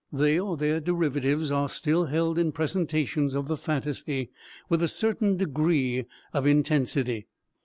They, or their derivatives, are still held in presentations of the phantasy, with a certain degree of intensity.